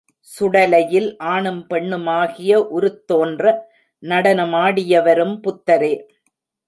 சுடலையில் ஆணும் பெண்ணுமாகிய உருத்தோன்ற நடனமாடியவரும் புத்தரே.